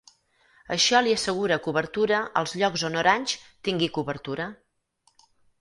Això li assegura cobertura als llocs on Orange tingui cobertura.